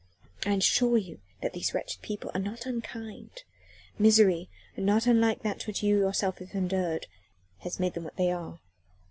I assure you that these wretched people are not unkind: misery not unlike that which you yourself have endured has made them what they are.